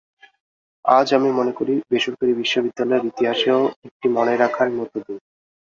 আজ, আমি মনে করি, বেসরকারি বিশ্ববিদ্যালয়ের ইতিহাসেও একটি মনে রাখার মতো দিন।